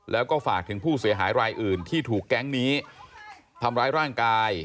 แล้วก็ฝากถึงผู้เสียหายรายอื่นที่ถูกแก๊งนี้ทำร้ายร่างกาย